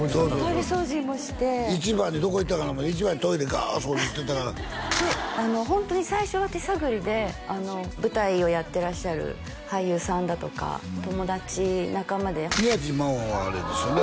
トイレ掃除もして一番にどこ行ったかなと思ったら一番にトイレガーッ掃除してたからホントに最初は手探りで舞台をやってらっしゃる俳優さんだとか友達仲間で宮地真緒はあれですよね？